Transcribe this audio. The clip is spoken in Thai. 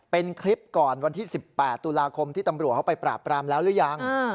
เป็นคลิปก่อนวันที่๑๘ตุลาคมที่ตำรวจเขาไปปราบปรามแล้วหรือยัง